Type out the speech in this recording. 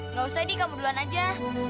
nggak usah nih kamu duluan aja